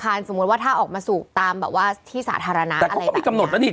รำคาญสมมุติว่าถ้าออกมาสูบตามแบบว่าที่สาธารณะอะไรแบบแต่ก็มีกำหนดแล้วนี่